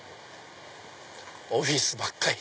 オフィスばっかり！